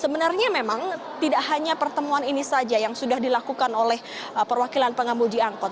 sebenarnya memang tidak hanya pertemuan ini saja yang sudah dilakukan oleh perwakilan pengemudi angkot